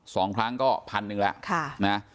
สองครั้งก็พันหนึ่งละ